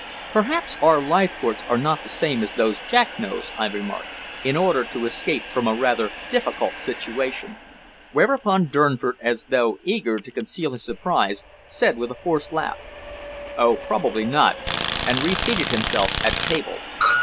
"Perhaps our Leithcourts are not the same as those Jack knows," I remarked, in order to escape from a rather difficult situation; whereupon Durnford, as though eager to conceal his surprise, said with a forced laugh, "Oh! probably not," and reseated himself at table.